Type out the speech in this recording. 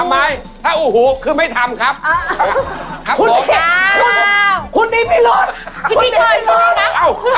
ทำไมถ้าอูหูคือไม่ทำครับอ้าวคุณนี่อีกมีโลตพี่นี่ก็อีกมีโลตนะ